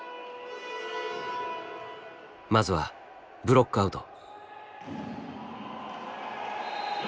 まずはブロックアウト。